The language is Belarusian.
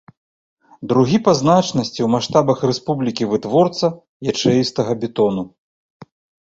Другі па значнасці ў маштабах рэспублікі вытворца ячэістага бетону.